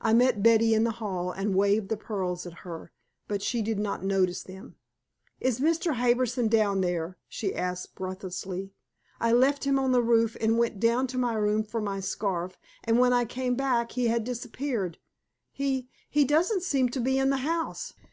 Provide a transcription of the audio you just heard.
I met Betty in the hall and waved the pearls at her. But she did not notice them. "Is Mr. Harbison down there?" she asked breathlessly. "I left him on the roof and went down to my room for my scarf, and when I went back he had disappeared. He he doesn't seem to be in the house."